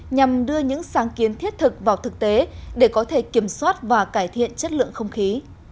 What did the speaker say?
nhằm đưa những sáng kiến thiết thực vào thực tế để có thể kiểm soát và cải thiện chất lượng không khí